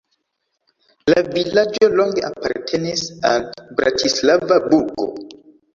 La vilaĝo longe apartenis al Bratislava burgo.